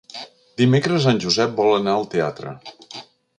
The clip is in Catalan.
Dimecres en Josep vol anar al teatre.